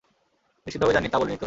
নিশ্চিতভাবে জানি, তা বলিনি তো।